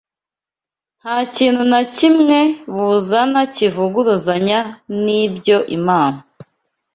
nta kintu na kimwe buzana kivuguruzanya n’ibyo Imana